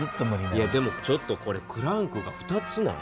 いやでもちょっとこれクランクが２つない？